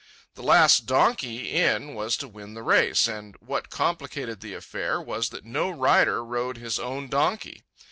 The last donkey in was to win the race, and what complicated the affair was that no rider rode his own donkey.